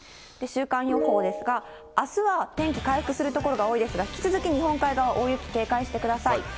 週間予報ですが、あすは天気回復する所が多いですが、引き続き日本海側、大雪、警戒してください。